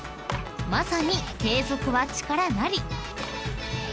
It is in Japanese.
［まさに継続は力なり］